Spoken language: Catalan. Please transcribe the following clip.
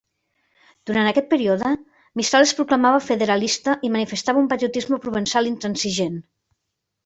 Durant aquest període, Mistral es proclamava federalista i manifestava un patriotisme provençal intransigent.